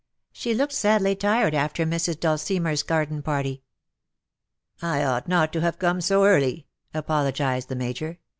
She looked sadly tired after Mrs. Dulcimer^s garden party.^"* " I ought not to have come so early,"^ apologized the Major.